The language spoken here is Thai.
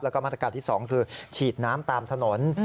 แล้วก็มาตรการที่๒คือฉีดน้ำตามถนน